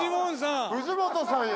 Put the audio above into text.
藤本さんや。